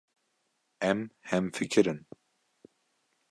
Em hemfikir in.